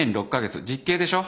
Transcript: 実刑でしょ。